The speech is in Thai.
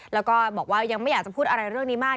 แล้วก็บอกว่ายังไม่อยากจะพูดอะไรเรื่องนี้มาก